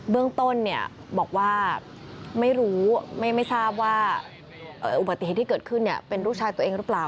เรื่องต้นบอกว่าไม่รู้ไม่ทราบว่าอุบัติเหตุที่เกิดขึ้นเป็นลูกชายตัวเองหรือเปล่า